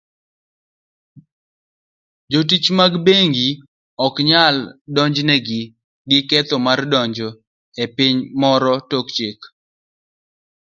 Jotich mag bengi oknyal donjnegi gi ketho mar donjo e piny moro tok chik.